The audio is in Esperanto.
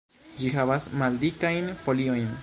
Ĝi havas maldikajn foliojn.